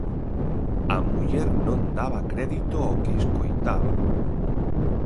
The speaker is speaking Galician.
A muller non daba crédito ó que escoitaba.